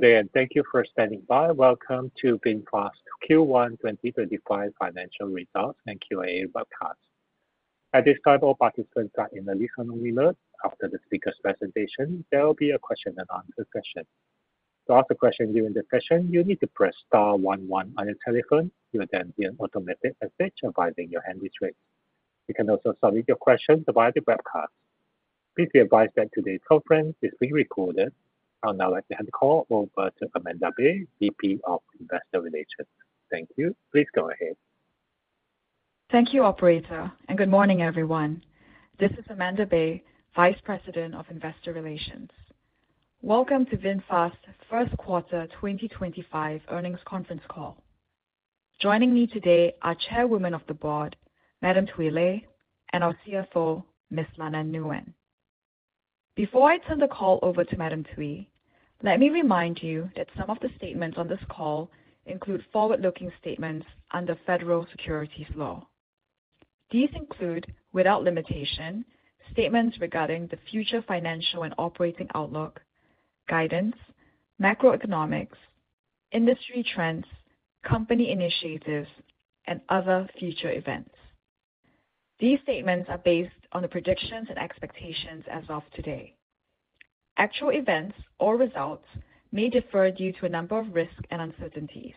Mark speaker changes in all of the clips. Speaker 1: Good day, and thank you for standing by. Welcome to VinFast Q1 2025 financial results and Q&A webcast. At this time, all participants are in the listen-only mode. After the speaker's presentation, there will be a question-and-answer session. To ask a question during the session, you need to press star one one on your telephone. You will then hear an automated message advising your hand is raised. You can also submit your questions via the webcast. Please be advised that today's conference is being recorded. I'd now like to hand the call over to Amandae B., VP of Investor Relations. Thank you. Please go ahead.
Speaker 2: Thank you, Operator, and good morning, everyone. This is Amandae B., Vice President of Investor Relations. Welcome to VinFast's first quarter 2025 earnings conference call. Joining me today are Chairwoman of the Board, Madam Thuy Le, and our CFO, Ms. Lan Anh Nguyen. Before I turn the call over to Madam Thuy, let me remind you that some of the statements on this call include forward-looking statements under federal securities law. These include, without limitation, statements regarding the future financial and operating outlook, guidance, macroeconomics, industry trends, company initiatives, and other future events. These statements are based on the predictions and expectations as of today. Actual events or results may differ due to a number of risks and uncertainties.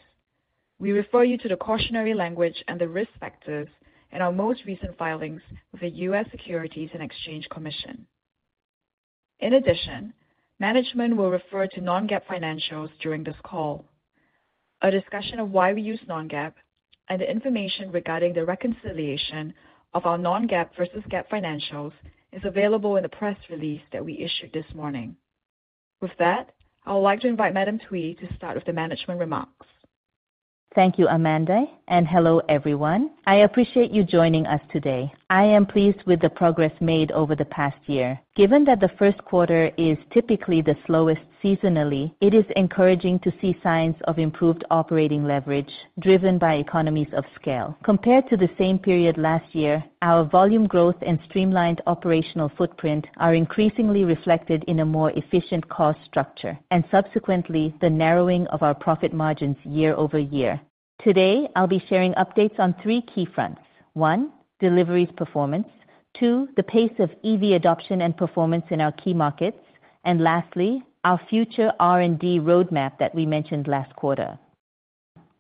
Speaker 2: We refer you to the cautionary language and the risk factors in our most recent filings with the U.S. Securities and Exchange Commission. In addition, management will refer to non-GAAP financials during this call. A discussion of why we use non-GAAP and the information regarding the reconciliation of our non-GAAP versus GAAP financials is available in the press release that we issued this morning. With that, I would like to invite Madam Thuy to start with the management remarks.
Speaker 3: Thank you, Amandae, and hello, everyone. I appreciate you joining us today. I am pleased with the progress made over the past year. Given that the first quarter is typically the slowest seasonally, it is encouraging to see signs of improved operating leverage driven by economies of scale. Compared to the same period last year, our volume growth and streamlined operational footprint are increasingly reflected in a more efficient cost structure and, subsequently, the narrowing of our profit margins year over year. Today, I'll be sharing updates on three key fronts: one, deliveries performance; two, the pace of EV adoption and performance in our key markets; and lastly, our future R&D roadmap that we mentioned last quarter.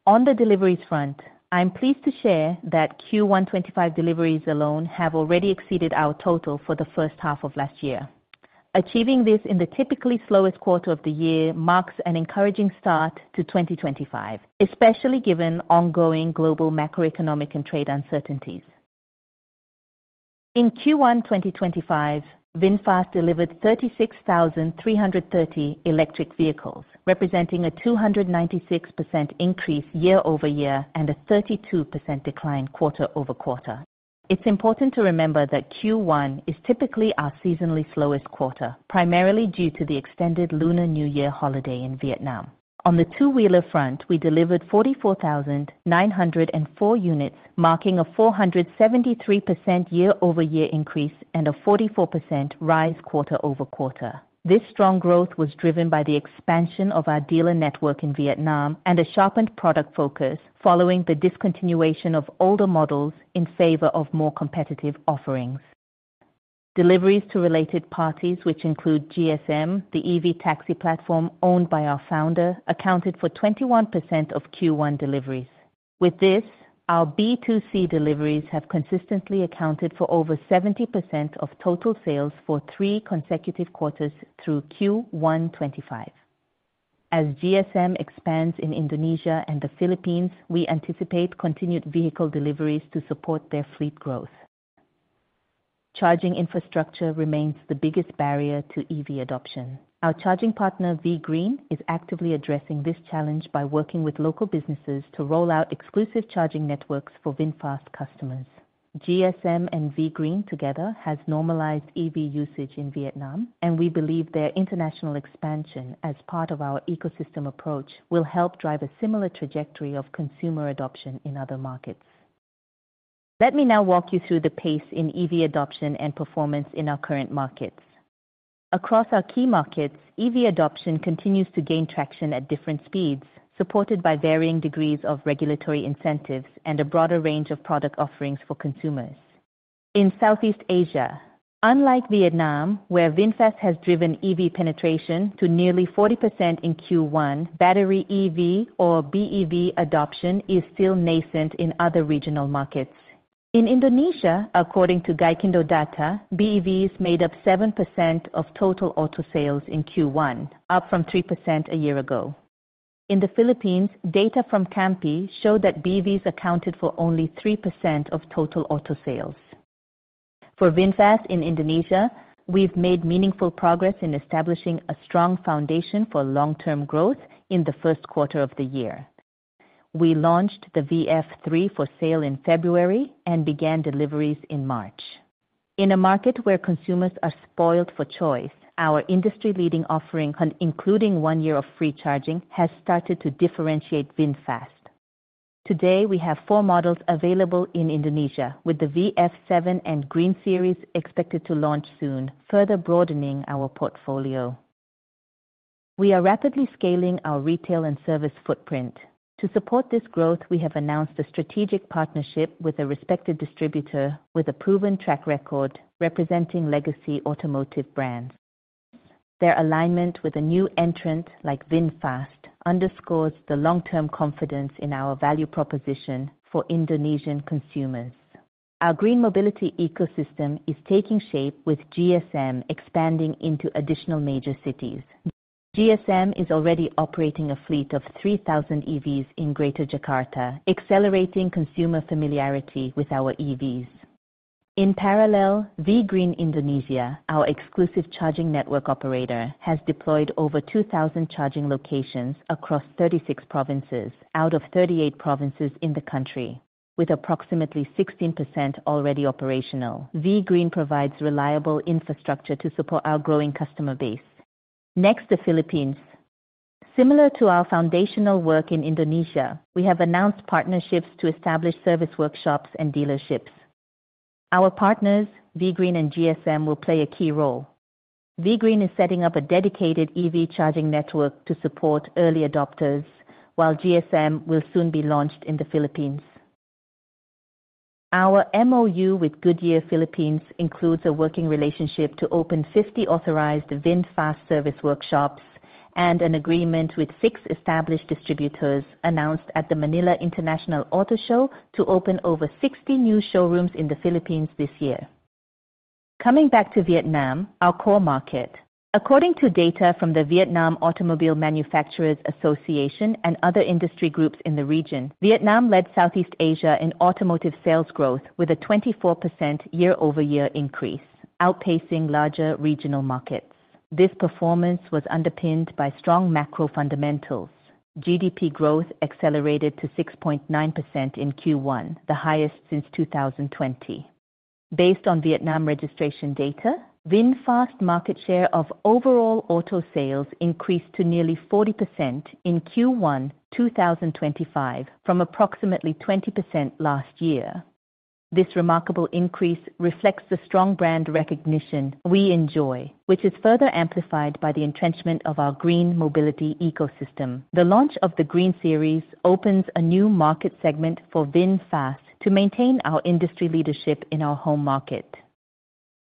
Speaker 3: On the deliveries front, I'm pleased to share that Q1 2025 deliveries alone have already exceeded our total for the first half of last year. Achieving this in the typically slowest quarter of the year marks an encouraging start to 2025, especially given ongoing global macroeconomic and trade uncertainties. In Q1 2025, VinFast delivered 36,330 electric vehicles, representing a 296% increase year-over-year and a 32% decline quarter-over-quarter. It's important to remember that Q1 is typically our seasonally slowest quarter, primarily due to the extended Lunar New Year holiday in Vietnam. On the two-wheeler front, we delivered 44,904 units, marking a 473% year-over-year increase and a 44% rise quarter-over-quarter. This strong growth was driven by the expansion of our dealer network in Vietnam and a sharpened product focus following the discontinuation of older models in favor of more competitive offerings. Deliveries to related parties, which include GSM, the EV taxi platform owned by our founder, accounted for 21% of Q1 deliveries. With this, our B2C deliveries have consistently accounted for over 70% of total sales for three consecutive quarters through Q1 2025. As GSM expands in Indonesia and the Philippines, we anticipate continued vehicle deliveries to support their fleet growth. Charging infrastructure remains the biggest barrier to EV adoption. Our charging partner, V-Green, is actively addressing this challenge by working with local businesses to roll out exclusive charging networks for VinFast customers. GSM and V-Green together have normalized EV usage in Vietnam, and we believe their international expansion as part of our ecosystem approach will help drive a similar trajectory of consumer adoption in other markets. Let me now walk you through the pace in EV adoption and performance in our current markets. Across our key markets, EV adoption continues to gain traction at different speeds, supported by varying degrees of regulatory incentives and a broader range of product offerings for consumers. In Southeast Asia, unlike Vietnam, where VinFast has driven EV penetration to nearly 40% in Q1, battery EV or BEV adoption is still nascent in other regional markets. In Indonesia, according to GAIKINDO data, BEVs made up 7% of total auto sales in Q1, up from 3% a year ago. In the Philippines, data from CAMPI show that BEVs accounted for only 3% of total auto sales. For VinFast in Indonesia, we've made meaningful progress in establishing a strong foundation for long-term growth in the first quarter of the year. We launched the VF3 for sale in February and began deliveries in March. In a market where consumers are spoiled for choice, our industry-leading offering, including one year of free charging, has started to differentiate VinFast. Today, we have four models available in Indonesia, with the VF7 and Green Series expected to launch soon, further broadening our portfolio. We are rapidly scaling our retail and service footprint. To support this growth, we have announced a strategic partnership with a respected distributor with a proven track record representing legacy automotive brands. Their alignment with a new entrant like VinFast underscores the long-term confidence in our value proposition for Indonesian consumers. Our green mobility ecosystem is taking shape, with GSM expanding into additional major cities. GSM is already operating a fleet of 3,000 EVs in Greater Jakarta, accelerating consumer familiarity with our EVs. In parallel, V-Green Indonesia, our exclusive charging network operator, has deployed over 2,000 charging locations across 36 provinces out of 38 provinces in the country, with approximately 16% already operational. V-Green provides reliable infrastructure to support our growing customer base. Next, the Philippines. Similar to our foundational work in Indonesia, we have announced partnerships to establish service workshops and dealerships. Our partners, V-Green and GSM, will play a key role. V-Green is setting up a dedicated EV charging network to support early adopters, while GSM will soon be launched in the Philippines. Our MOU with Goodyear Philippines includes a working relationship to open 50 authorized VinFast service workshops and an agreement with six established distributors announced at the Manila International Auto Show to open over 60 new showrooms in the Philippines this year. Coming back to Vietnam, our core market. According to data from the Vietnam Automobile Manufacturers' Association and other industry groups in the region, Vietnam led Southeast Asia in automotive sales growth with a 24% year-over-year increase, outpacing larger regional markets. This performance was underpinned by strong macro fundamentals. GDP growth accelerated to 6.9% in Q1, the highest since 2020. Based on Vietnam registration data, VinFast's market share of overall auto sales increased to nearly 40% in Q1 2025, from approximately 20% last year. This remarkable increase reflects the strong brand recognition we enjoy, which is further amplified by the entrenchment of our green mobility ecosystem. The launch of the Green Series opens a new market segment for VinFast to maintain our industry leadership in our home market.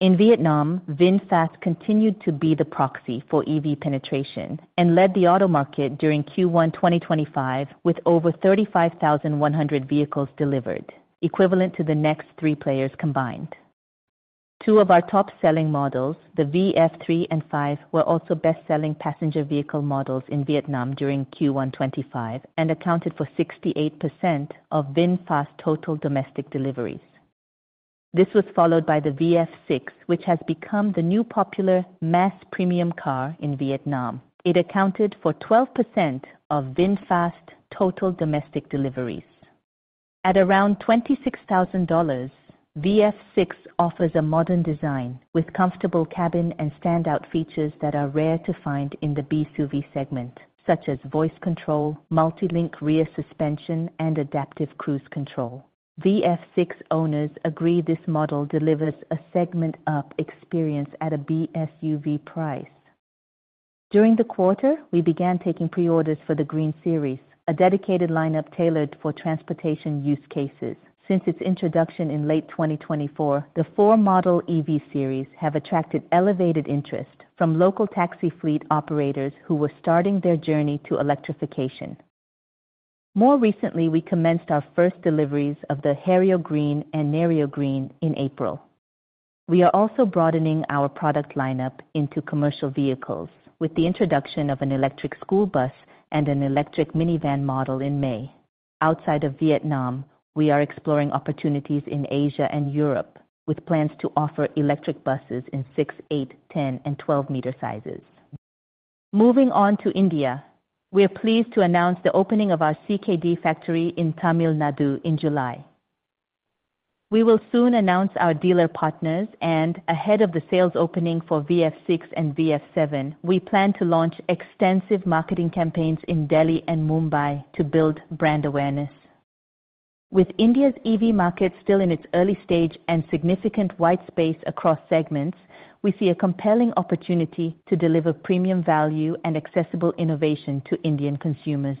Speaker 3: In Vietnam, VinFast continued to be the proxy for EV penetration and led the auto market during Q1 2025 with over 35,100 vehicles delivered, equivalent to the next three players combined. Two of our top-selling models, the VF3 and VF5, were also best-selling passenger vehicle models in Vietnam during Q1 2025 and accounted for 68% of VinFast's total domestic deliveries. This was followed by the VF6, which has become the new popular mass premium car in Vietnam. It accounted for 12% of VinFast's total domestic deliveries. At around $26,000, VF6 offers a modern design with comfortable cabin and standout features that are rare to find in the BSUV segment, such as voice control, multi-link rear suspension, and adaptive cruise control. VF6 owners agree this model delivers a segment-up experience at a BSUV price. During the quarter, we began taking pre-orders for the Green Series, a dedicated lineup tailored for transportation use cases. Since its introduction in late 2024, the four-model EV series have attracted elevated interest from local taxi fleet operators who were starting their journey to electrification. More recently, we commenced our first deliveries of the Herio Green and Nerio Green in April. We are also broadening our product lineup into commercial vehicles, with the introduction of an electric school bus and an electric minivan model in May. Outside of Vietnam, we are exploring opportunities in Asia and Europe, with plans to offer electric buses in 6, 8, 10, and 12-meter sizes. Moving on to India, we're pleased to announce the opening of our CKD factory in Tamil Nadu in July. We will soon announce our dealer partners and, ahead of the sales opening for VF6 and VF7, we plan to launch extensive marketing campaigns in Delhi and Mumbai to build brand awareness. With India's EV market still in its early stage and significant white space across segments, we see a compelling opportunity to deliver premium value and accessible innovation to Indian consumers.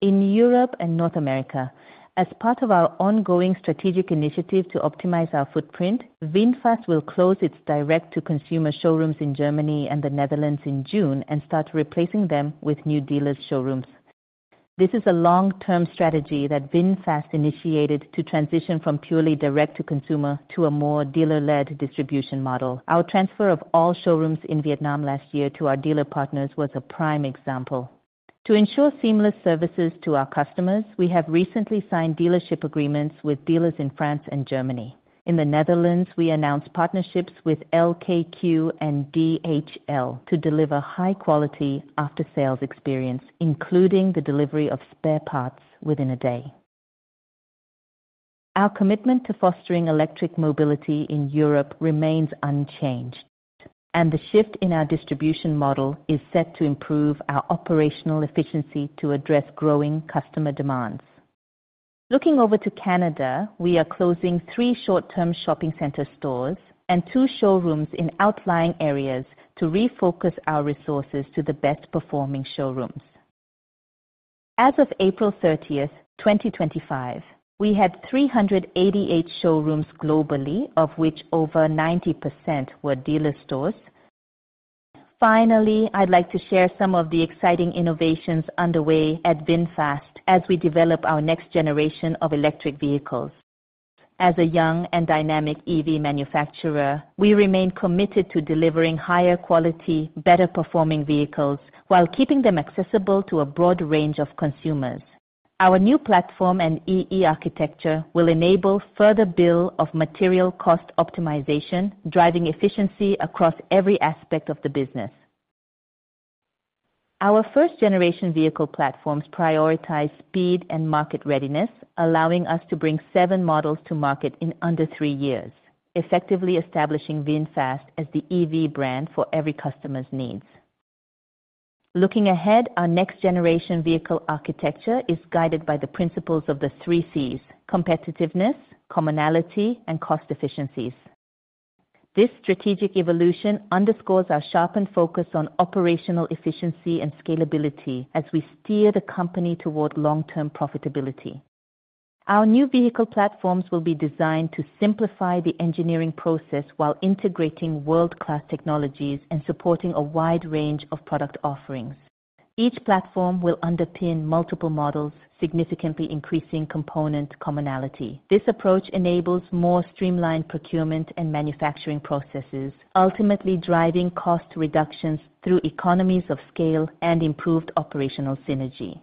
Speaker 3: In Europe and North America, as part of our ongoing strategic initiative to optimize our footprint, VinFast will close its direct-to-consumer showrooms in Germany and the Netherlands in June and start replacing them with new dealers' showrooms. This is a long-term strategy that VinFast initiated to transition from purely direct-to-consumer to a more dealer-led distribution model. Our transfer of all showrooms in Vietnam last year to our dealer partners was a prime example. To ensure seamless services to our customers, we have recently signed dealership agreements with dealers in France and Germany. In the Netherlands, we announced partnerships with LKQ and DHL to deliver high-quality after-sales experience, including the delivery of spare parts within a day. Our commitment to fostering electric mobility in Europe remains unchanged, and the shift in our distribution model is set to improve our operational efficiency to address growing customer demands. Looking over to Canada, we are closing three short-term shopping center stores and two showrooms in outlying areas to refocus our resources to the best-performing showrooms. As of April 30, 2025, we had 388 showrooms globally, of which over 90% were dealer stores. Finally, I'd like to share some of the exciting innovations underway at VinFast as we develop our next generation of electric vehicles. As a young and dynamic EV manufacturer, we remain committed to delivering higher-quality, better-performing vehicles while keeping them accessible to a broad range of consumers. Our new platform and EE architecture will enable further bill of material cost optimization, driving efficiency across every aspect of the business. Our first-generation vehicle platforms prioritize speed and market readiness, allowing us to bring seven models to market in under three years, effectively establishing VinFast as the EV brand for every customer's needs. Looking ahead, our next-generation vehicle architecture is guided by the principles of the three Cs: competitiveness, commonality, and cost efficiencies. This strategic evolution underscores our sharpened focus on operational efficiency and scalability as we steer the company toward long-term profitability. Our new vehicle platforms will be designed to simplify the engineering process while integrating world-class technologies and supporting a wide range of product offerings. Each platform will underpin multiple models, significantly increasing component commonality. This approach enables more streamlined procurement and manufacturing processes, ultimately driving cost reductions through economies of scale and improved operational synergy.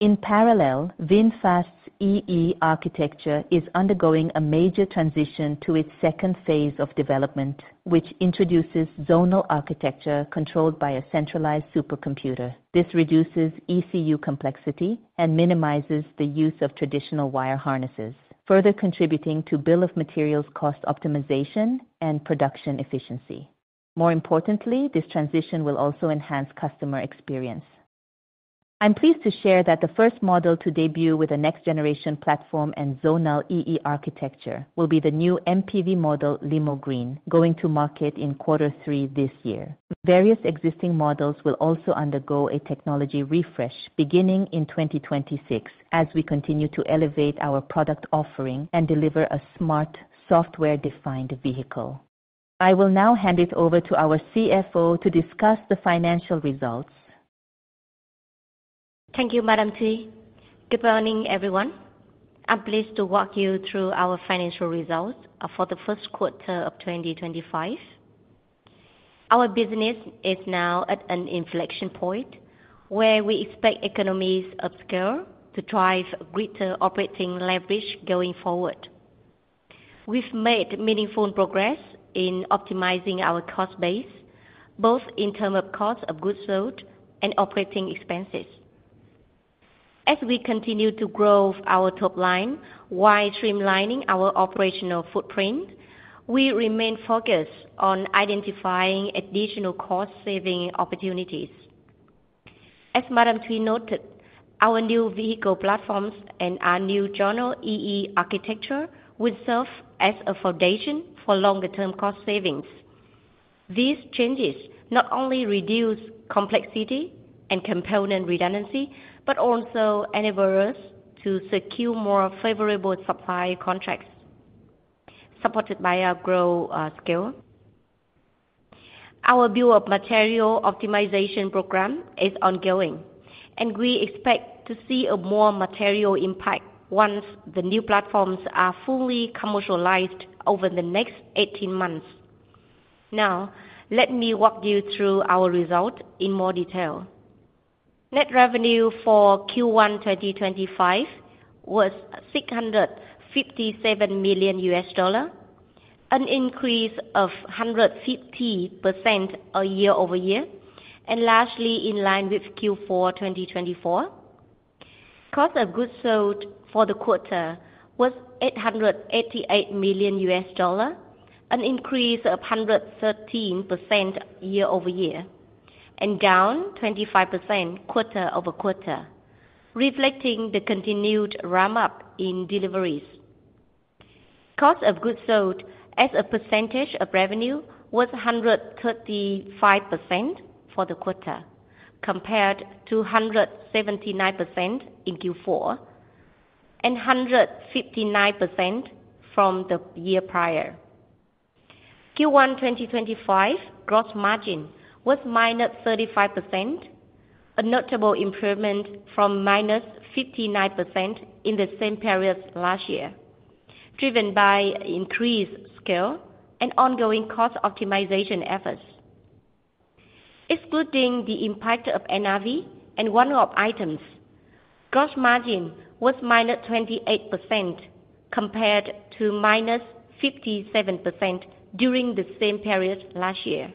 Speaker 3: In parallel, VinFast's EE architecture is undergoing a major transition to its second phase of development, which introduces zonal architecture controlled by a centralized supercomputer. This reduces ECU complexity and minimizes the use of traditional wire harnesses, further contributing to bill of materials cost optimization and production efficiency. More importantly, this transition will also enhance customer experience. I'm pleased to share that the first model to debut with a next-generation platform and zonal EE architecture will be the new MPV model Limo Green, going to market in Q3 this year. Various existing models will also undergo a technology refresh beginning in 2026 as we continue to elevate our product offering and deliver a smart, software-defined vehicle. I will now hand it over to our CFO to discuss the financial results.
Speaker 4: Thank you, Madam Thuy. Good morning, everyone. I'm pleased to walk you through our financial results for the first quarter of 2025. Our business is now at an inflection point where we expect economies of scale to drive greater operating leverage going forward. We've made meaningful progress in optimizing our cost base, both in terms of cost of goods sold and operating expenses. As we continue to grow our top line while streamlining our operational footprint, we remain focused on identifying additional cost-saving opportunities. As Madam Thuy noted, our new vehicle platforms and our new zonal EE architecture will serve as a foundation for longer-term cost savings. These changes not only reduce complexity and component redundancy but also enable us to secure more favorable supply contracts, supported by our growth scale. Our bill of material optimization program is ongoing, and we expect to see a more material impact once the new platforms are fully commercialized over the next 18 months. Now, let me walk you through our results in more detail. Net revenue for Q1 2025 was $657 million, an increase of 150% year-over-year, and largely in line with Q4 2024. Cost of goods sold for the quarter was $888 million, an increase of 113% year-over-year, and down 25% quarter-over-quarter, reflecting the continued ramp-up in deliveries. Cost of goods sold as a percentage of revenue was 135% for the quarter, compared to 179% in Q4 and 159% from the year prior. Q1 2025 gross margin was -35%, a notable improvement from -59% in the same period last year, driven by increased scale and ongoing cost optimization efforts. Excluding the impact of NRV and one-off items, gross margin was minus 28%, compared to minus 57% during the same period last year.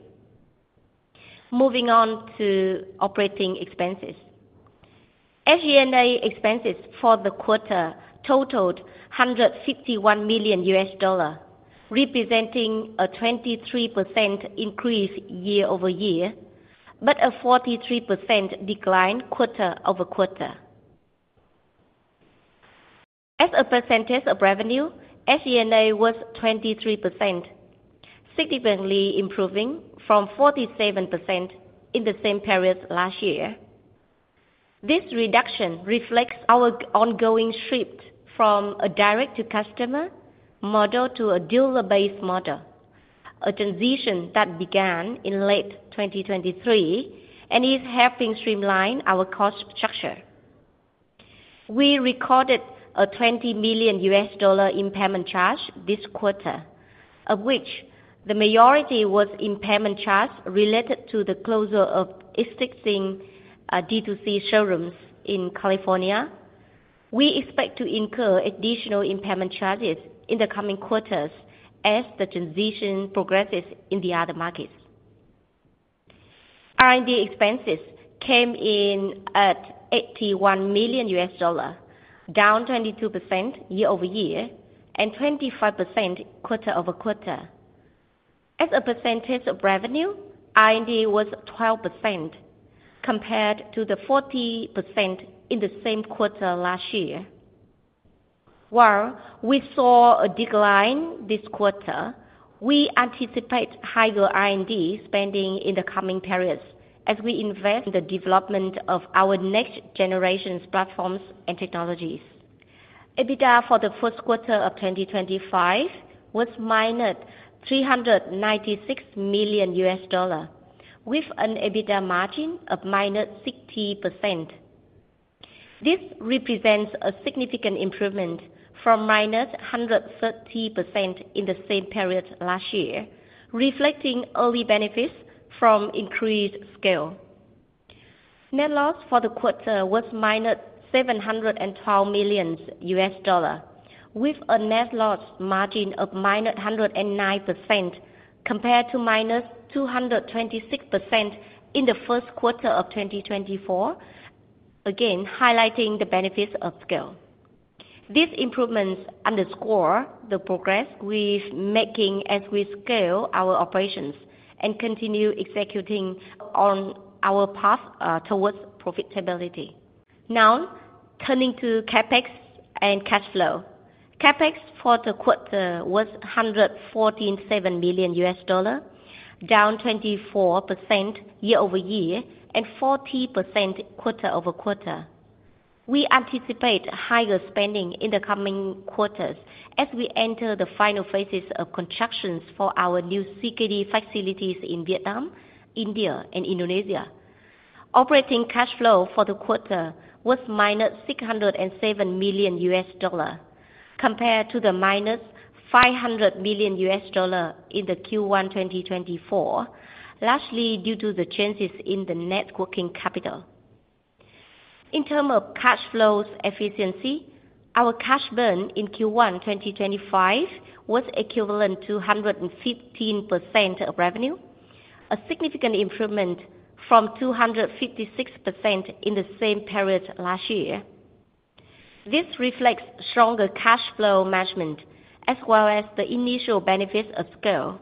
Speaker 4: Moving on to operating expenses. SG&A expenses for the quarter totaled $151 million, representing a 23% increase year-over-year but a 43% decline quarter-over-quarter. As a percentage of revenue, SG&A was 23%, significantly improving from 47% in the same period last year. This reduction reflects our ongoing shift from a direct-to-customer model to a dealer-based model, a transition that began in late 2023 and is helping streamline our cost structure. We recorded a $20 million impairment charge this quarter, of which the majority was impairment charge related to the closure of existing D2C showrooms in California. We expect to incur additional impairment charges in the coming quarters as the transition progresses in the other markets. R&D expenses came in at $81 million, down 22% year-over-year and 25% quarter-over-quarter. As a percentage of revenue, R&D was 12%, compared to 40% in the same quarter last year. While we saw a decline this quarter, we anticipate higher R&D spending in the coming periods as we invest in the development of our next-generation platforms and technologies. EBITDA for the first quarter of 2025 was minus $396 million, with an EBITDA margin of -60%. This represents a significant improvement from -130% in the same period last year, reflecting early benefits from increased scale. Net loss for the quarter was -$712 million, with a net loss margin of -109% compared to -226% in the first quarter of 2024, again highlighting the benefits of scale. These improvements underscore the progress we've made as we scale our operations and continue executing on our path towards profitability. Now, turning to CapEx and cash flow. CapEx for the quarter was $147 million, down 24% year-over-year and 40% quarter-over-quarter. We anticipate higher spending in the coming quarters as we enter the final phases of construction for our new CKD facilities in Vietnam, India, and Indonesia. Operating cash flow for the quarter was -$607 million, compared to the -$500 million in Q1 2024, largely due to the changes in the net working capital. In terms of cash flow efficiency, our cash burn in Q1 2025 was equivalent to 115% of revenue, a significant improvement from 256% in the same period last year. This reflects stronger cash flow management as well as the initial benefits of scale.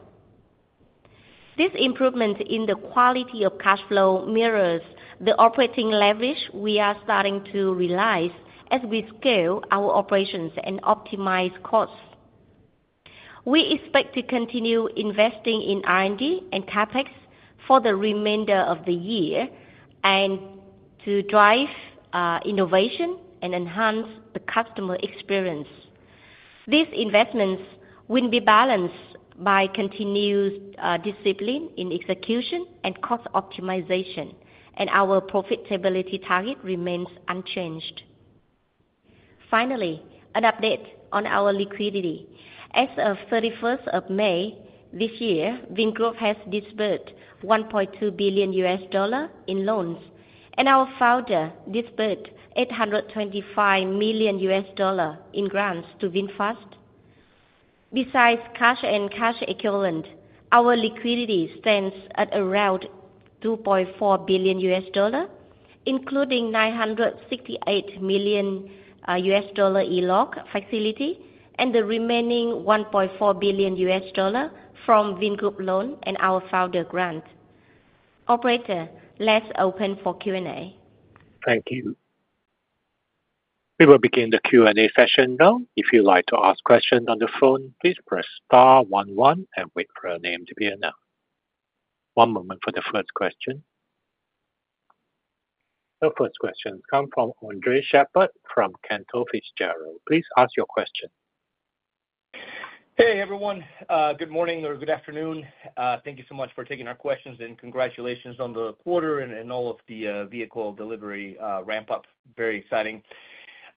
Speaker 4: This improvement in the quality of cash flow mirrors the operating leverage we are starting to realize as we scale our operations and optimize costs. We expect to continue investing in R&D and CapEx for the remainder of the year and to drive innovation and enhance the customer experience. These investments will be balanced by continued discipline in execution and cost optimization, and our profitability target remains unchanged. Finally, an update on our liquidity. As of 31st May this year, Vingroup has disbursed $1.2 billion in loans, and our founder disbursed $825 million in grants to VinFast. Besides cash and cash equivalent, our liquidity stands at around $2.4 billion, including $968 million ELOC facility and the remaining $1.4 billion from Vingroup loan and our founder grant. Operator, let's open for Q&A.
Speaker 1: Thank you. We will begin the Q&A session now. If you'd like to ask questions on the phone, please press star one one and wait for your name to be announced. One moment for the first question. The first question has come from Andres Sheppard from Cantor Fitzgerald. Please ask your question.
Speaker 5: Hey, everyone. Good morning or good afternoon. Thank you so much for taking our questions, and congratulations on the quarter and all of the vehicle delivery ramp-up. Very exciting.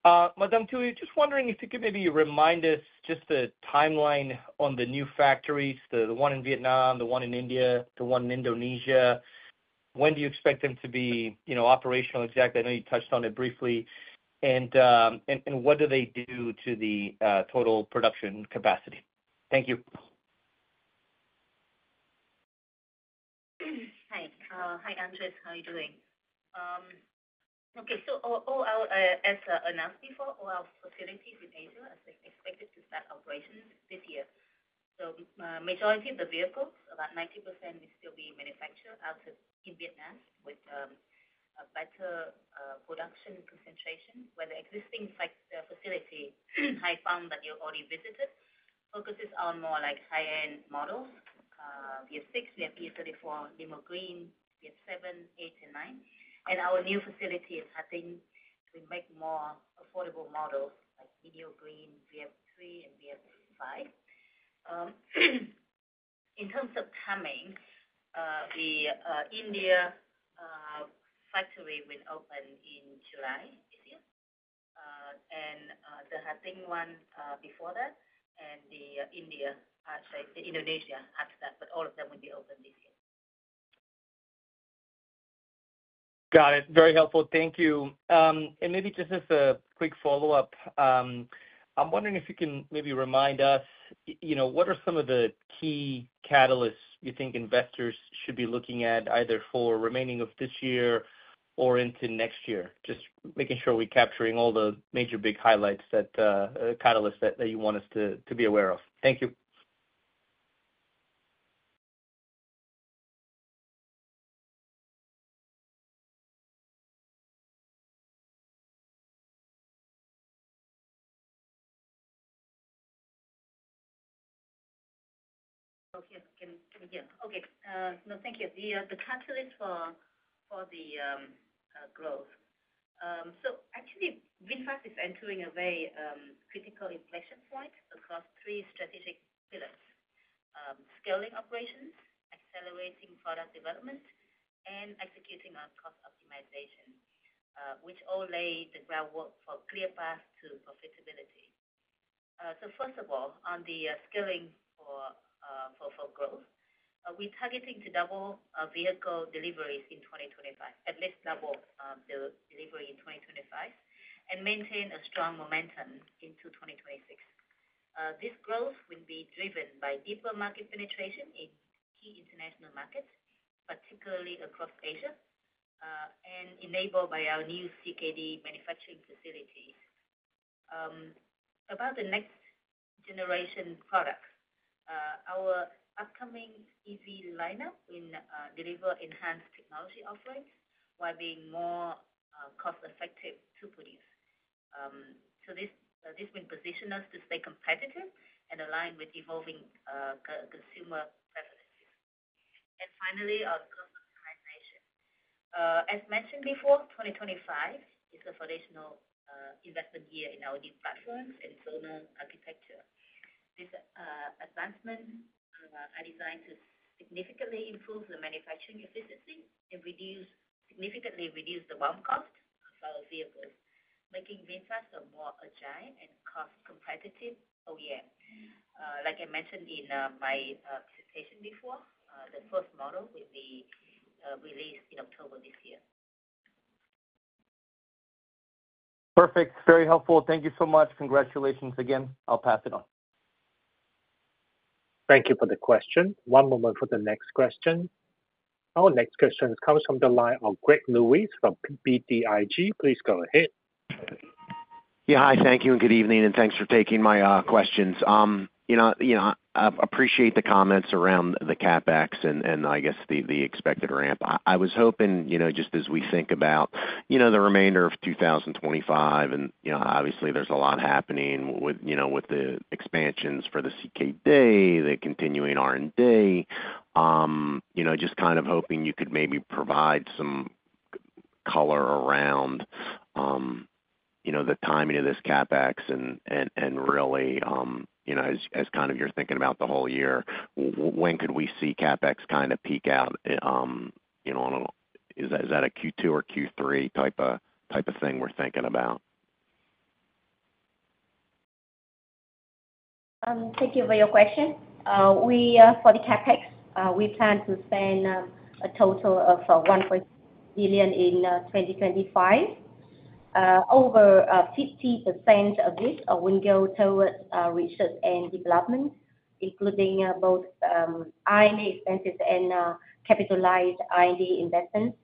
Speaker 5: Madam Thuy, just wondering if you could maybe remind us just the timeline on the new factories, the one in Vietnam, the one in India, the one in Indonesia. When do you expect them to be operational exactly? I know you touched on it briefly. And what do they do to the total production capacity? Thank you.
Speaker 3: Hi. Hi, Andres. How are you doing? Okay. As announced before, all our facilities in Asia are expected to start operations this year. The majority of the vehicles, about 90%, will still be manufactured out in Vietnam with better production concentration. Where the existing facility, I found that you already visited, focuses on more high-end models. VF6, we have E34, Limo Green, VF7, 8, and 9. Our new facility in Haiphong will make more affordable models like Mini Green, VF3, and VF5. In terms of timing, the India factory will open in July this year, and the Haiphong one before that, and the Indonesia after that, but all of them will be open this year.
Speaker 5: Got it. Very helpful. Thank you. Maybe just as a quick follow-up, I'm wondering if you can maybe remind us what are some of the key catalysts you think investors should be looking at either for the remaining of this year or into next year, just making sure we're capturing all the major big highlights, the catalysts that you want us to be aware of. Thank you.
Speaker 3: Okay. Yes. Okay. No, thank you. The catalyst for the growth. Actually, VinFast is entering a very critical inflection point across three strategic pillars: scaling operations, accelerating product development, and executing our cost optimization, which all lay the groundwork for a clear path to profitability. First of all, on the scaling for growth, we're targeting to double vehicle deliveries in 2025, at least double the delivery in 2025, and maintain a strong momentum into 2026. This growth will be driven by deeper market penetration in key international markets, particularly across Asia, and enabled by our new CKD manufacturing facilities. About the next-generation products, our upcoming EV lineup will deliver enhanced technology offerings while being more cost-effective to produce. This will position us to stay competitive and align with evolving consumer preferences. Finally, our growth optimization. As mentioned before, 2025 is a foundational investment year in our new platforms and zonal architecture. These advancements are designed to significantly improve the manufacturing efficiency and significantly reduce the BOM cost of our vehicles, making VinFast a more agile and cost-competitive OEM. Like I mentioned in my presentation before, the first model will be released in October this year.
Speaker 5: Perfect. Very helpful. Thank you so much. Congratulations again. I'll pass it on.
Speaker 1: Thank you for the question. One moment for the next question. Our next question comes from the line of Greg Lewis from BTIG. Please go ahead.
Speaker 6: Yeah. Hi. Thank you. And good evening, and thanks for taking my questions. I appreciate the comments around the CapEx and, I guess, the expected ramp. I was hoping, just as we think about the remainder of 2025, and obviously, there's a lot happening with the expansions for the CKD, the continuing R&D, just kind of hoping you could maybe provide some color around the timing of this CapEx and really, as kind of you're thinking about the whole year, when could we see CapEx kind of peak out? Is that a Q2 or Q3 type of thing we're thinking about?
Speaker 4: Thank you for your question. For the CapEx, we plan to spend a total of $1.4 billion in 2025. Over 50% of this will go towards research and development, including both R&D expenses and capitalized R&D investments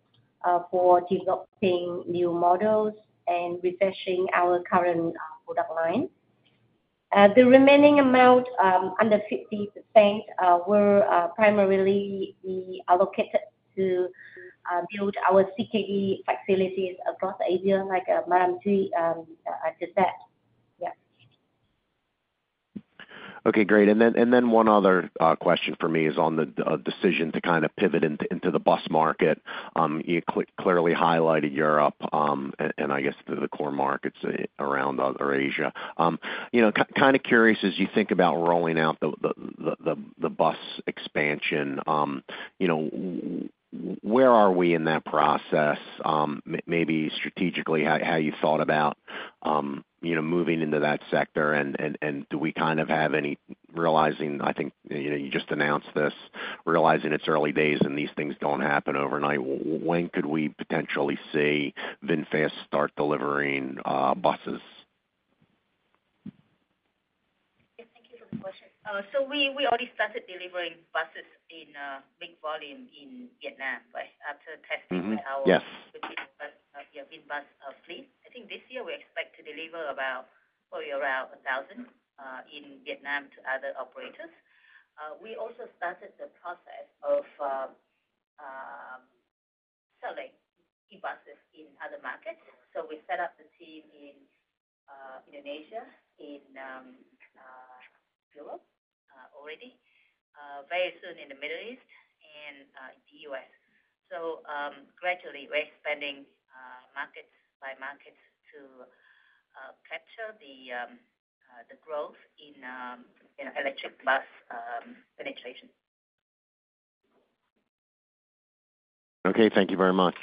Speaker 4: for developing new models and refreshing our current product line. The remaining amount, under 50%, will primarily be allocated to build our CKD facilities across Asia, like Madam Thuy just said. Yeah.
Speaker 6: Okay. Great. One other question for me is on the decision to kind of pivot into the bus market. You clearly highlighted Europe and, I guess, the core markets around Asia. Kind of curious, as you think about rolling out the bus expansion, where are we in that process? Maybe strategically, how you thought about moving into that sector, and do we kind of have any realizing—I think you just announced this—realizing it's early days and these things do not happen overnight. When could we potentially see VinFast start delivering buses?
Speaker 3: Yeah. Thank you for the question. We already started delivering buses in big volume in Vietnam, right, after testing with our VinBus fleet. I think this year we expect to deliver probably around 1,000 in Vietnam to other operators. We also started the process of selling e-buses in other markets. We set up the team in Indonesia, in Europe already, very soon in the Middle East, and the U.S. Gradually, we're expanding market by market to capture the growth in electric bus penetration.
Speaker 6: Okay. Thank you very much.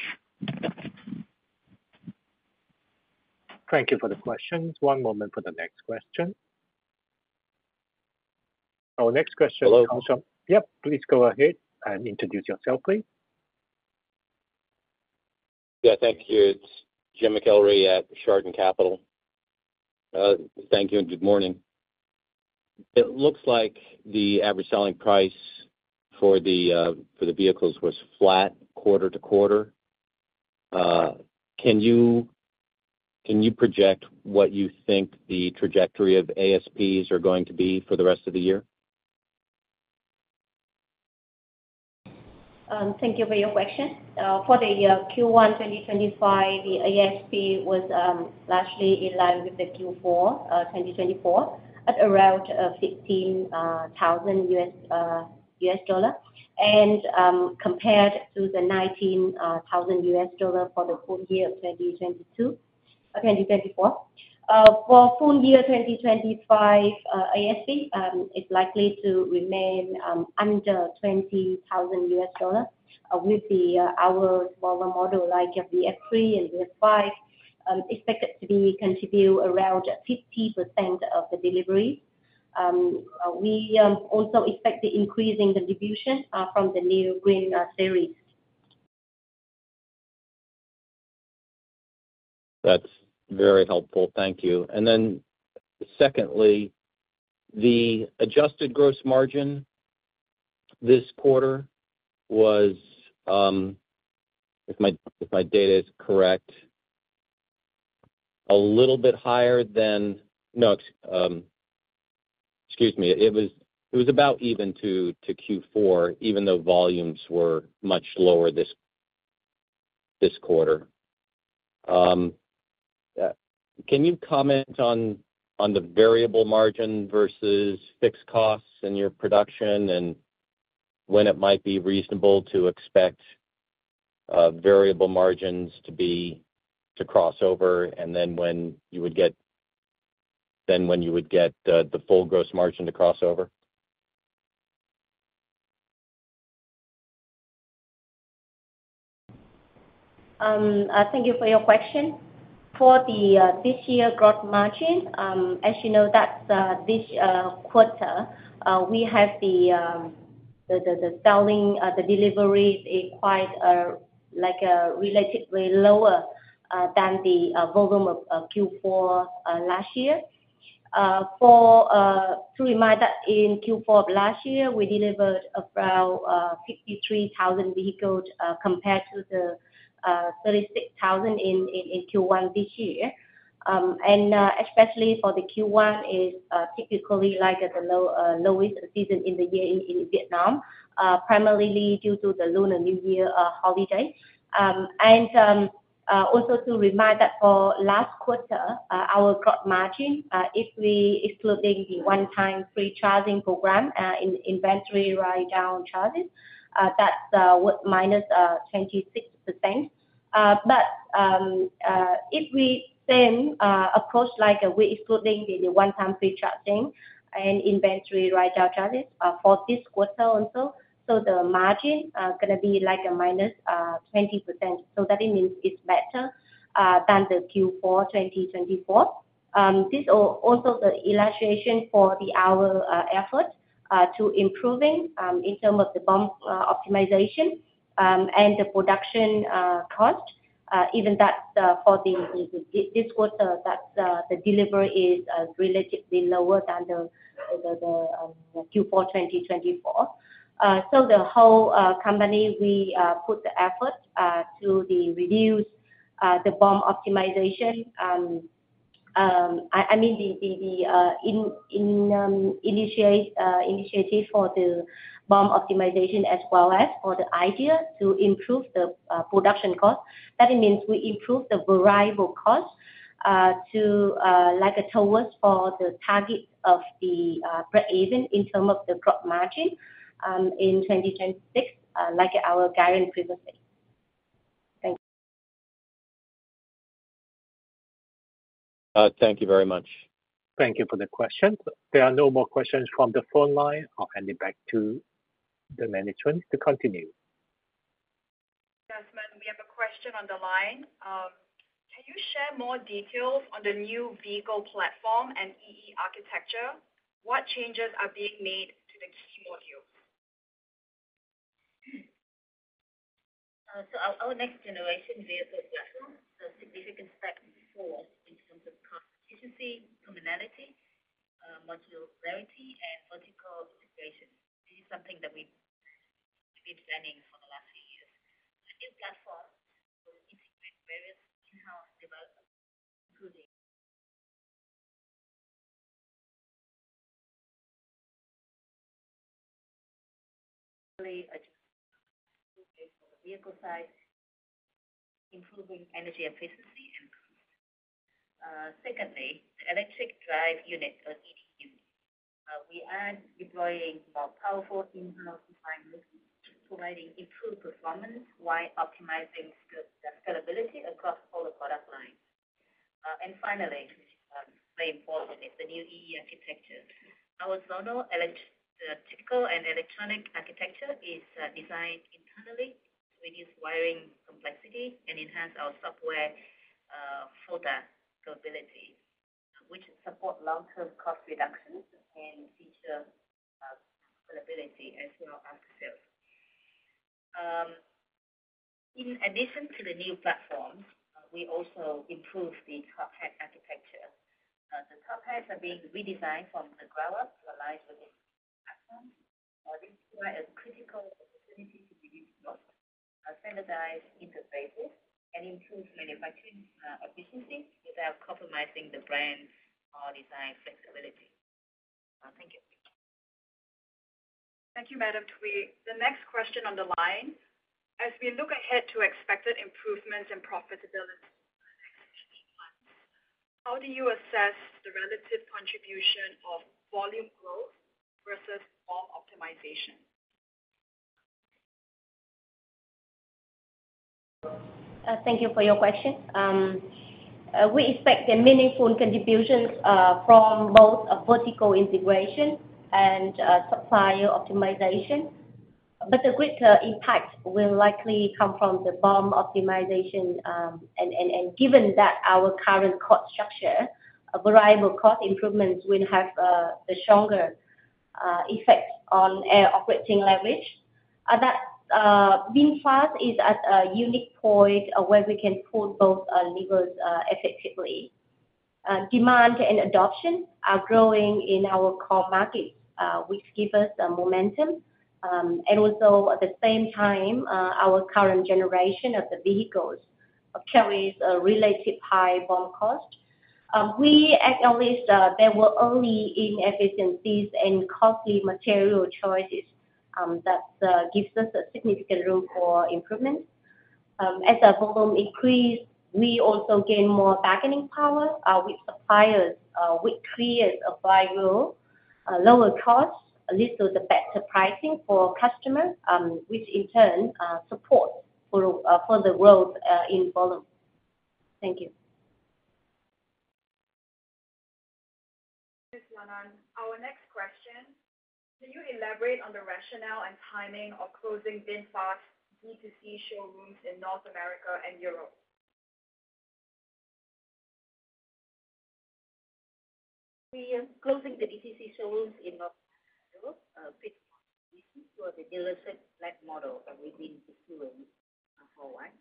Speaker 1: Thank you for the questions. One moment for the next question. Our next question comes from. Hello. Yep. Please go ahead and introduce yourself, please.
Speaker 7: Yeah. Thank you. It's Jim McIlree at Chardan Capital. Thank you, and good morning. It looks like the average selling price for the vehicles was flat quarter to quarter. Can you project what you think the trajectory of ASPs are going to be for the rest of the year?
Speaker 4: Thank you for your question. For the Q1 2025, the ASP was largely in line with the Q4 2024 at around $15,000, and compared to the $19,000 for the full year of 2024. For full year 2025, ASP is likely to remain under $20,000 with our smaller model like VF3 and VF5 expected to contribute around 50% of the delivery. We also expect the increasing contribution from the new Green Series.
Speaker 7: That's very helpful. Thank you. Secondly, the adjusted gross margin this quarter was, if my data is correct, a little bit higher than—no, excuse me. It was about even to Q4, even though volumes were much lower this quarter. Can you comment on the variable margin versus fixed costs in your production and when it might be reasonable to expect variable margins to crossover and then when you would get—then when you would get the full gross margin to crossover?
Speaker 4: Thank you for your question. For the this-year gross margin, as you know, this quarter, we have the selling, the deliveries quite relatively lower than the volume of Q4 last year. To remind that in Q4 of last year, we delivered around 53,000 vehicles compared to the 36,000 in Q1 this year. Especially for the Q1, it is typically the lowest season in the year in Vietnam, primarily due to the Lunar New Year holiday. Also to remind that for last quarter, our gross margin, if we're excluding the one-time free charging program and inventory write-down charges, that's -26%. If we then approach with excluding the one-time free charging and inventory write-down charges for this quarter also, the margin is going to be -20%. That means it's better than the Q4 2024. This is also the elaboration for our effort to improve in terms of the BOM optimization and the production cost. Even that, for this quarter, the delivery is relatively lower than the Q4 2024. The whole company, we put the effort to reduce the BOM optimization. I mean, the initiative for the BOM optimization as well as for the idea to improve the production cost. That means we improve the variable cost towards the target of the break-even in terms of the gross margin in 2026, like our guidance previously. Thank you.
Speaker 7: Thank you very much.
Speaker 1: Thank you for the questions. There are no more questions from the phone line. I'll hand it back to the management to continue.
Speaker 2: Madam, we have a question on the line. Can you share more details on the new vehicle platform and EE architecture? What changes are being made to the key modules?
Speaker 3: Our next-generation vehicle platform has significant steps forward in terms of cost efficiency, terminality, modularity, and vertical integration. This is something that we've been planning for the last few years. The new platform will integrate various in-house developments, including improving energy efficiency and cost. Secondly, the electric drive unit, or ED unit. We are deploying more powerful in-house driving units, providing improved performance while optimizing scalability across all the product lines. Finally, which is very important, is the new EE architecture. Our zonal typical and electronic architecture is designed internally to reduce wiring complexity and enhance our software for that capability, which supports long-term cost reductions and feature scalability as well as sales. In addition to the new platforms, we also improved the top hat architecture. The top hats are being redesigned from the ground up to align with the platform. This provides a critical opportunity to develop standardized interfaces and improve manufacturing efficiencies without compromising the brand's design flexibility. Thank you.
Speaker 2: Thank you, Madam Thuy. The next question on the line. As we look ahead to expected improvements and profitability for the next 15 months, how do you assess the relative contribution of volume growth versus BOM optimization?
Speaker 4: Thank you for your question. We expect a meaningful contribution from both vertical integration and supplier optimization. The greater impact will likely come from the BOM optimization. Given that our current cost structure, variable cost improvements will have a stronger effect on our operating leverage. VinFast is at a unique point where we can pull both levers effectively. Demand and adoption are growing in our core markets, which give us momentum. Also, at the same time, our current generation of the vehicles carries a relatively high BOM cost. We acknowledge there were early inefficiencies and costly material choices that give us significant room for improvement. As our volume increases, we also gain more bargaining power with suppliers, which creates a viable lower cost, leads to better pricing for customers, which in turn supports further growth in volume. Thank you.
Speaker 2: Thank you, Lan Anh. Our next question. Can you elaborate on the rationale and timing of closing VinFast's D2C showrooms in North America and Europe?
Speaker 3: We are closing the D2C showrooms in North America and Europe a bit more easy for the dealership flag model that we've been pursuing for a while.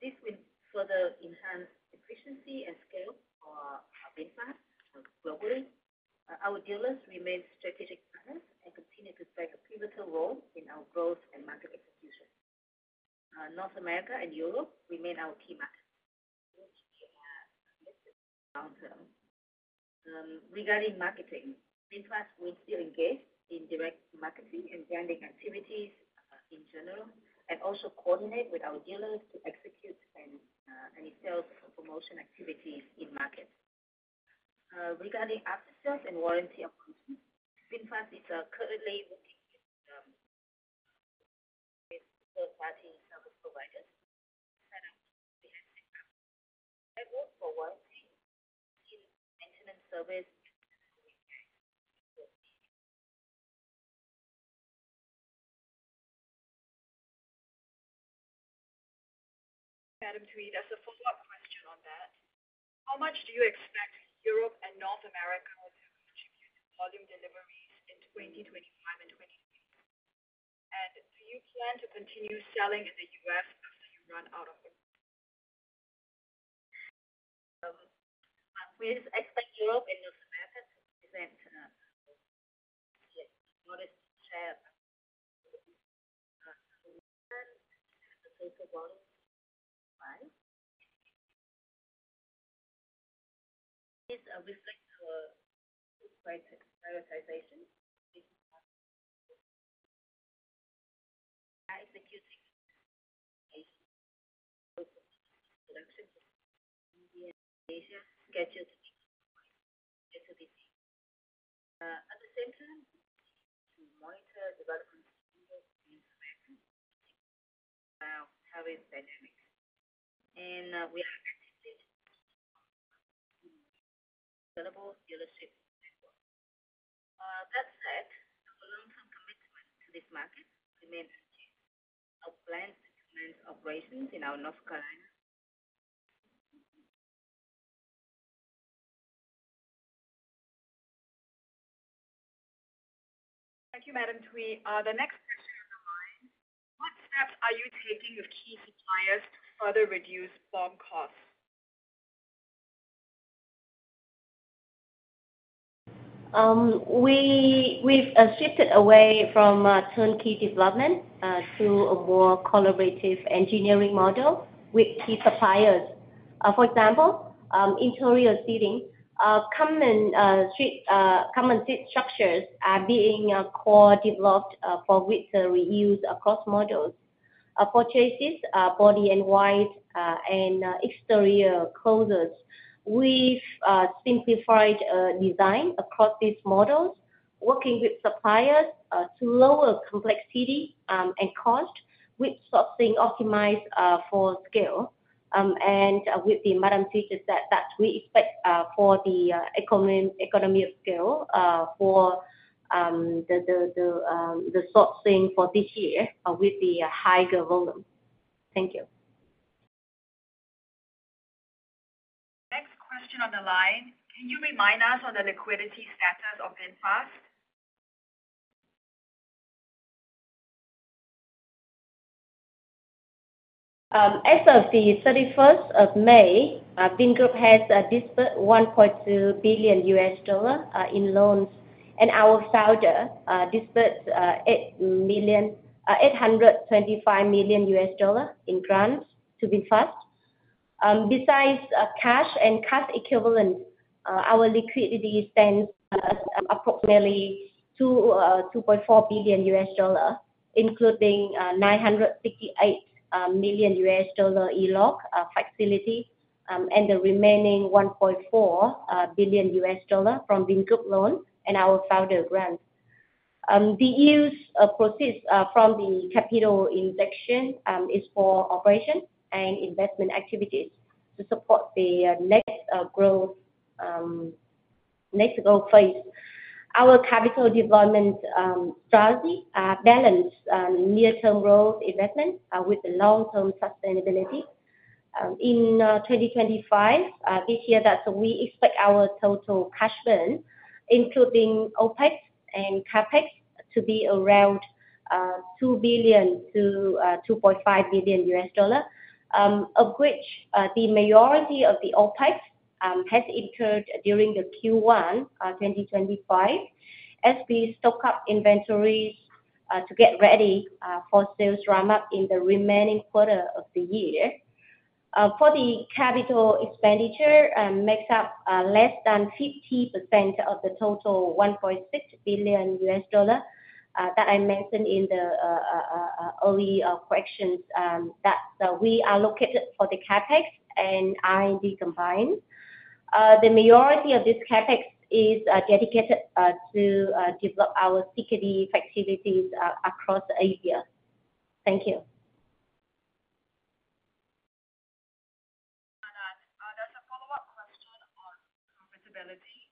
Speaker 3: This will further enhance efficiency and scale for VinFast globally. Our dealers remain strategic partners and continue to play a pivotal role in our growth and market execution. North America and Europe remain our key markets, which we have listed downturn. Regarding marketing, VinFast will still engage in direct marketing and branding activities in general and also coordinate with our dealers to execute any sales promotion activities in market. Regarding after-sales and warranty approaches, VinFast is currently working with third-party service providers. Set up behind VinFast. I work for warranty and maintenance service in the U.K.
Speaker 2: Madam Thuy, there's a follow-up question on that. How much do you expect Europe and North America to contribute to volume deliveries in 2025 and 2026? Do you plan to continue selling in the U.S. after you run out of the?
Speaker 3: We expect Europe and North America to present modest share of the volume as a total volume supply. This reflects our prioritization of VinFast's executive base for production. In Asia, scheduled to be compliant with the BPA. At the same time, we continue to monitor development of vehicles in North America to see how its dynamics. We are actively working on developing a sellable dealership network. That said, our long-term commitment to this market remains unchanged. Our plans to expand operations in our North Carolina. Thank you,
Speaker 2: Madam Thuy. The next question on the line. What steps are you taking with key suppliers to further reduce BOM costs?
Speaker 4: We've shifted away from turnkey development to a more collaborative engineering model with key suppliers. For example, interior seating, common seat structures are being core developed for reuse across models. For chassis, body and wide, and exterior closures, we have simplified design across these models, working with suppliers to lower complexity and cost, with sourcing optimized for scale. With what Madam Thuy just said, we expect the economy of scale for the sourcing for this year with the higher volume. Thank you.
Speaker 2: Next question on the line. Can you remind us of the liquidity status of VinFast?
Speaker 4: As of the 31st of May, Vingroup has disbursed $1.2 billion in loans, and our founder disbursed $825 million in grants to VinFast. Besides cash and cash equivalent, our liquidity stands at approximately $2.4 billion, including a $968 million ELOC facility and the remaining $1.4 billion from Vingroup loans and our founder grants. The use proceeds from the capital injection is for operation and investment activities to support the next growth phase. Our capital development strategy balances near-term growth investment with the long-term sustainability. In 2025, this year, we expect our total cash burn, including OpEx and CapEx, to be around $2 billion-$2.5 billion, of which the majority of the OpEx has incurred during the Q1 2025 as we stock up inventories to get ready for sales run-up in the remaining quarter of the year. For the capital expenditure, it makes up less than 50% of the total $1.6 billion that I mentioned in the early questions, that we allocated for the CapEx and R&D combined. The majority of this CapEx is dedicated to develop our CKD facilities across Asia. Thank you.
Speaker 2: Lan Ahn, there's a follow-up question on profitability.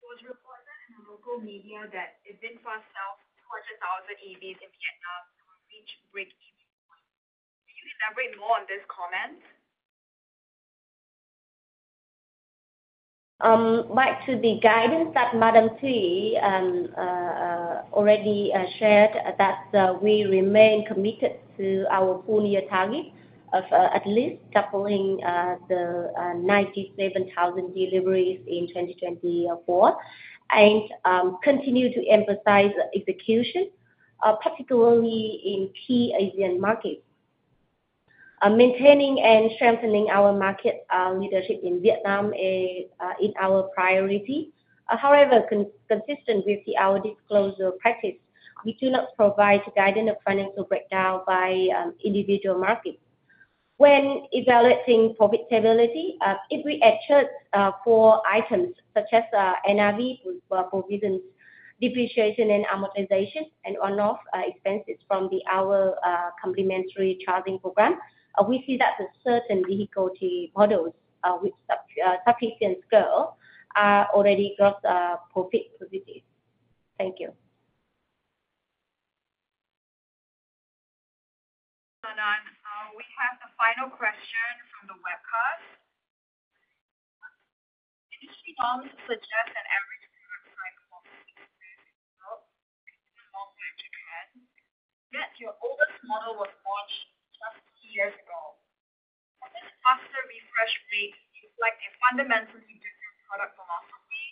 Speaker 2: It was reported in the local media that if VinFast sells 200,000 EVs in Vietnam, it will reach break-even point. Can you elaborate more on this comment?
Speaker 4: Back to the guidance that Madam Thuy already shared, that we remain committed to our full year target of at least doubling the 97,000 deliveries in 2024 and continue to emphasize execution, particularly in key Asian markets. Maintaining and strengthening our market leadership in Vietnam is our priority. However, consistent with our disclosure practice, we do not provide guidance of financial breakdown by individual markets. When evaluating profitability, if we access four items such as NRV for provisions, depreciation, and amortization, and on-off expenses from our complimentary charging program, we see that certain vehicle models with sufficient scale are already profit positive. Thank you.
Speaker 2: Lan Ahn, we have the final question from the webcast. Industry norms suggest that average current price quality improves in Europe, consumer low-budget trends. Yet, your oldest model was launched just two years ago. Does this faster refresh rate reflect a fundamentally different product philosophy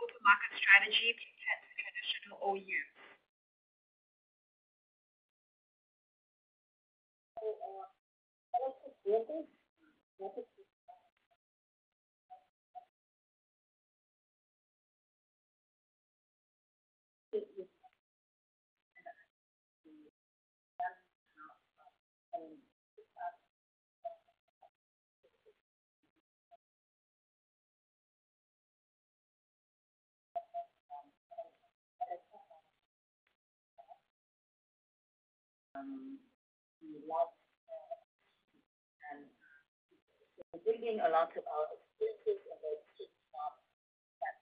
Speaker 2: or the market strategy compared to traditional OEM?
Speaker 3: We've been a lot of experiences in the tech market.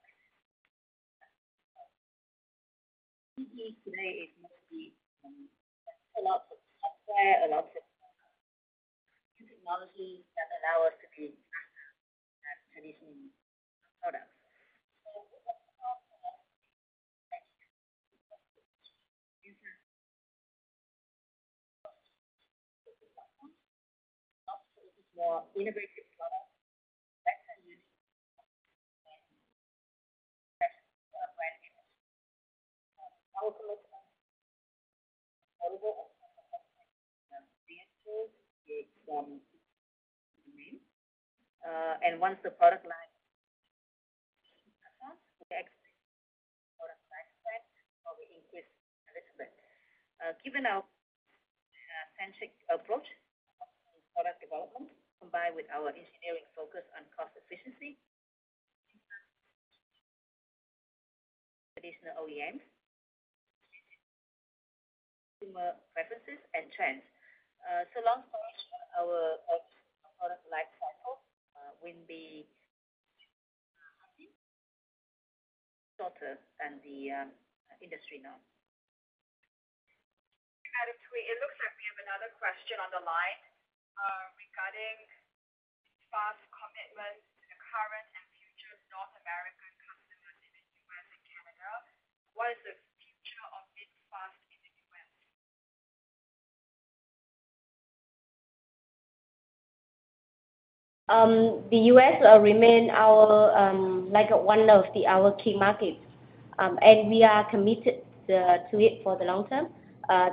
Speaker 3: EV today is mostly a lot of software, a lot of new technologies that allow us to be traditional products. We have to focus more on innovative products, better units, and better brand image. Our commitment is available on the market. The end goal is to remain in the main. Once the product line is successful, we exit the product lifespan or we increase a little bit. Given our centric approach in product development, combined with our engineering focus on cost efficiency, traditional OEMs, consumer preferences, and trends. So long storage, our product lifecycle will be shorter than the industry norm.
Speaker 2: Thank you, Madam Thuy. It looks like we have another question on the line regarding VinFast's commitment to the current and future North American customers in the U.S. and Canada. What is the future of VinFast in the U.S.?
Speaker 4: The U.S. remains one of our key markets, and we are committed to it for the long term.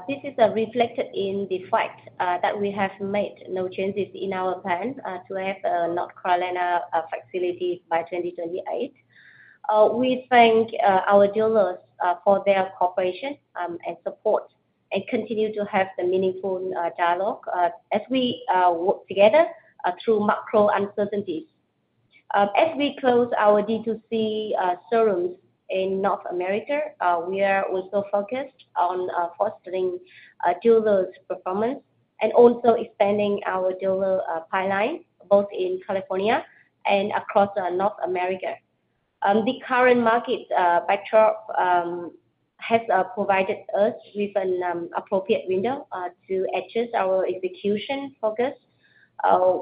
Speaker 4: This is reflected in the fact that we have made no changes in our plan to have a North Carolina facility by 2028. We thank our dealers for their cooperation and support and continue to have the meaningful dialogue as we work together through macro uncertainties. As we close our D2C showrooms in North America, we are also focused on fostering dealers' performance and also expanding our dealer pipeline both in California and across North America. The current market backdrop has provided us with an appropriate window to adjust our execution focus,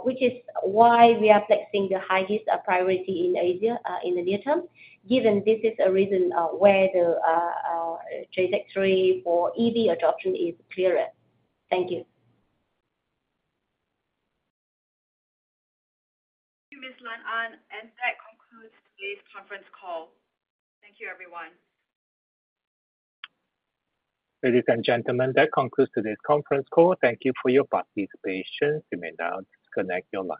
Speaker 4: which is why we are placing the highest priority in Asia in the near term, given this is a region where the trajectory for EV adoption is clearer. Thank you.
Speaker 2: Thank you, Ms. Lan Anh. That concludes today's conference call. Thank you, everyone.
Speaker 1: Ladies and gentlemen, that concludes today's conference call. Thank you for your participation. You may now disconnect.